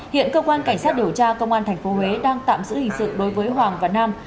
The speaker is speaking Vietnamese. hiện cơ quan cảnh sát điều tra công an tp huế đang tạm giữ hình sự đối với hoàng và nam